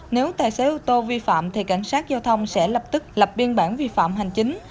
nếu tài xế ô tô vi phạm thì cảnh sát giao thông sẽ lập tức lập biên bản vi phạm hành chính